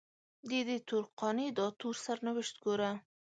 ددې تور قانع داتور سرنوشت ګوره